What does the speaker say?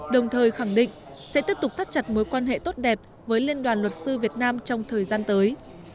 đồng thời khẳng định sẽ tiếp tục thắt chặt mối quan hệ tốt đẹp với liên đoàn luật sư việt nam trong thời gian tới